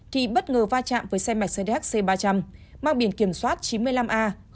thì bất ngờ va chạm với xe mercedes c ba trăm linh mang biển kiểm soát chín mươi năm a sáu mươi bảy